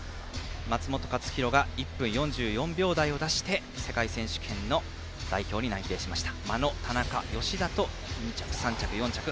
松元克央が１分４４秒台を出して世界選手権の代表に内定しました。